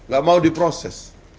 gak mau diproses